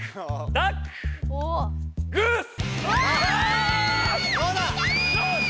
ダックグース！